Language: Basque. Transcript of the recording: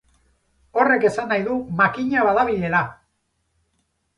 Horrek esan nahi du makina badabilela!